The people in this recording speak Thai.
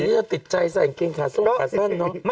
เหมือนกว่าเหมือนกี่ชาทสู่กับเซอร์ดนะ